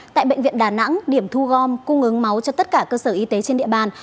tại bệnh viện đà nẵng điểm thu gom cung ứng máu cho tất cả cơ sở y tế trên địa bàn